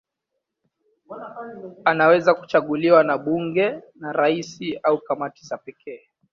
Anaweza kuchaguliwa na bunge, na rais au kamati za pekee.